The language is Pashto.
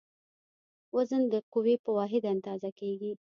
وزن د قوې په واحد اندازه کېږي.